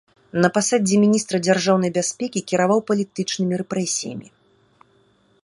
На пасадзе міністра дзяржаўнай бяспекі кіраваў палітычнымі рэпрэсіямі.